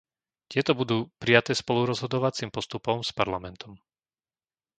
Tieto budú prijaté spolurozhodovacím postupom s Parlamentom.